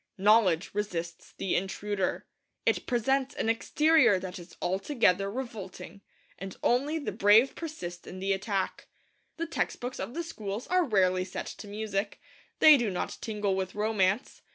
Knowledge resists the intruder. It presents an exterior that is altogether revolting, and only the brave persist in the attack. The text books of the schools are rarely set to music; they do not tingle with romance.